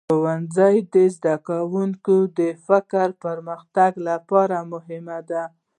ښوونځی د زده کوونکو د فکري پرمختګ لپاره مهم دی.